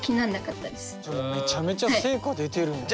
じゃあめちゃめちゃ成果出てるよね。